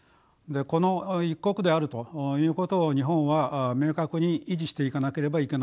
この一国であるということを日本は明確に維持していかなければいけないと思います。